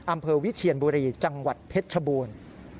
อำเภอวิเชียนบุรีจังหวัดเพชรชบูรณ์